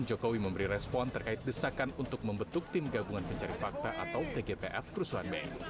jokowi memberi respon terkait desakan untuk membentuk tim gabungan pencari fakta atau tgpf kerusuhan mei